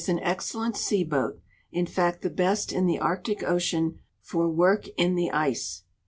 an excellent sea boat — in fact the best in the Arctic ocean for work in the ice.